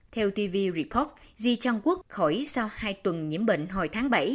theo tv report di trang quốc khỏi sau hai tuần nhiễm bệnh hồi tháng bảy